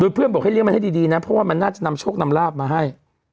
เพื่อนบอกให้เลี้มันให้ดีนะเพราะว่ามันน่าจะนำโชคนำลาบมาให้